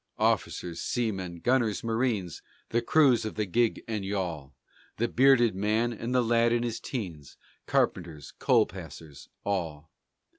Officers, seamen, gunners, marines, The crews of the gig and yawl, The bearded man and the lad in his teens, Carpenters, coal passers all.